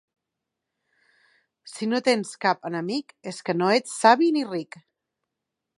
Si no tens cap enemic, és que no ets savi ni ric.